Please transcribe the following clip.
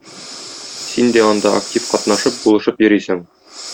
Син дә анда актив катнашып, булышып йөрисең.